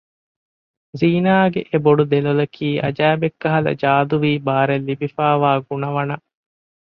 ޒީނާގެ އެ ބޮޑު ދެލޮލަކީ އަޖައިބެއްކަހަލަ ޖާދޫވީ ބާރެއް ލިބިފައިވާ ގުނަވަނައް